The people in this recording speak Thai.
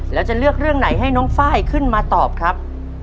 แล้วจะเลือกเรื่องไหนให้น้องไฟล์ขึ้นมาตอบครับ